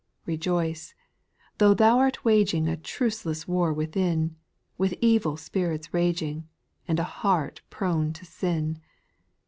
8. Rejoice, though thou art waging A truceless war within, With evil spirits raging, And a heart prone to sin.